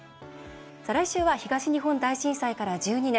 来週は東日本大震災から１２年。